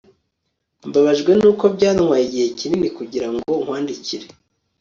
Mbabajwe nuko byantwaye igihe kinini kugirango nkwandikire